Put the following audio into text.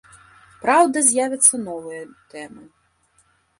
Праўда, з'явяцца новыя тэмы.